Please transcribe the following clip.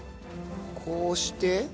こうして？